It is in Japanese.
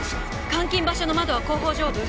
監禁場所の窓は後方上部。